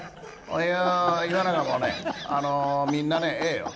いやー、今永もね、みんなね、ええよ。